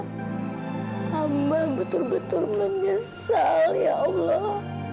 hamba betul betul menyesal ya allah